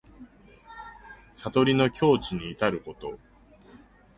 悟りの境地にいたること。